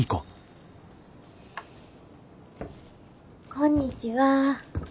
こんにちは。